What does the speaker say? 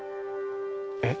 えっ？